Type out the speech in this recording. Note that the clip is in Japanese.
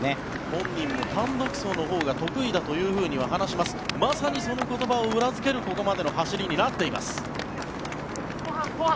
本人も単独走のほうが得意だとまさにその言葉を裏付けるここまでの走りになっています。